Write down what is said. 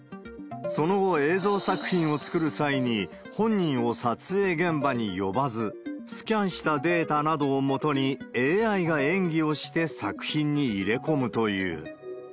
その後、映像作品を作る際に、本人を撮影現場に呼ばず、スキャンしたデータなどをもとにＡＩが演技をして作品に入れ込むという。